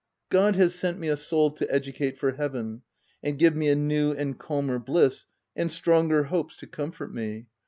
God has sent me a soul to educate for heaven, and give me a new and calmer bliss, and stronger hopes to comfort me.